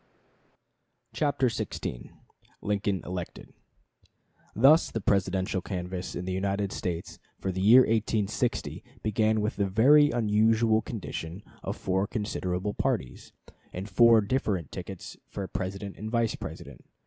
CHAPTER XVI LINCOLN ELECTED Thus the Presidential canvass in the United States for the year 1860 began with the very unusual condition of four considerable parties, and four different tickets for President and Vice President.